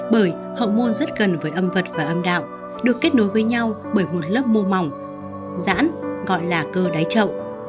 bởi hậu môn rất gần với âm vật và âm đạo được kết nối với nhau bởi một lớp mô mỏng giãn gọi là cơ đáy trậu